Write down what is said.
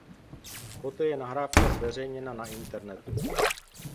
Poté je nahrávka zveřejněna na internetu.